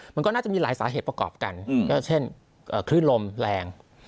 มันก็น่าจะมีหลายสาเหตุประกอบกันก็เช่นคลื่นลมแรง